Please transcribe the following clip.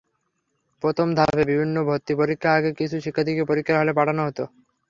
প্রথম ধাপে বিভিন্ন ভর্তি পরীক্ষার আগে কিছু শিক্ষার্থীকে পরীক্ষার হলে পাঠানো হতো।